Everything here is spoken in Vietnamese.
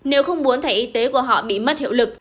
nếu không muốn thẻ y tế của họ bị mất hiệu lực